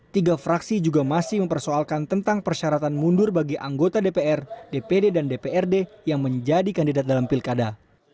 tiga fraksi juga masih mempersoalkan tentang persyaratan mundur bagi anggota dpr dpd dan dprd yang menjadi kandidat dalam pilkada